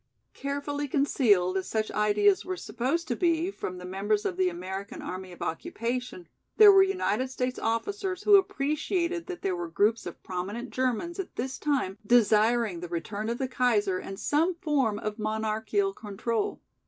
Carefully concealed as such ideas were supposed to be from the members of the American Army of Occupation, there were United States officers who appreciated that there were groups of prominent Germans at this time desiring the return of the Kaiser and some form of monarchial control.